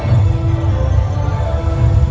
สโลแมคริปราบาล